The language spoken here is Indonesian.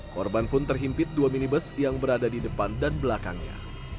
korban pun terhimpit dua minibus yang berada di depan dan belakangnya